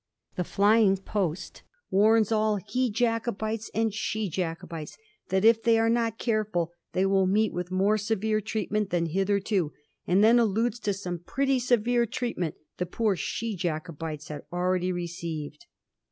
The ' Flying Post' warns all ' he Jacobites ' and ' she Jacobites ' that if they are not carefiil they will meet with more severe treatment than hitherto, and then alludes to some pretty severe treatment the poor 'she Jacobites ^ had already received.